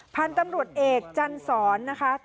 พันธุ์ตำรวจเอกจันสอนนะคะ